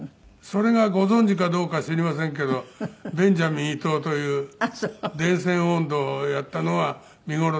それがご存じかどうか知りませんけどベンジャミン伊東という『電線音頭』をやったのは『みごろ！